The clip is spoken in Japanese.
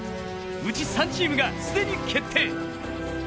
うち３チームが既に決定。